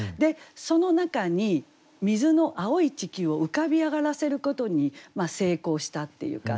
その中に水の青い地球を浮かび上がらせることに成功したっていうか。